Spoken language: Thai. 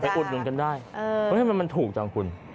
เอาไปอุดลุ้นกันได้เพราะฉะนั้นมันถูกจ้างคุณ